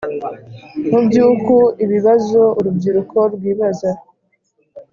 Mu by uku Ibibazo urubyiruko rwibaza